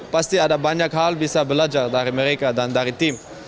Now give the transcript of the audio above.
pasti ada banyak hal bisa belajar dari mereka dan dari tim